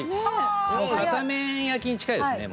もう片面焼きに近いですね